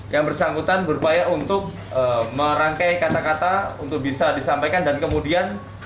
yang bersangkutan berupaya untuk merangkai kata kata untuk bisa disampaikan dan kemudian